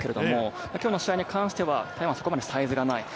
今日の試合に関してはそこまでサイズがない。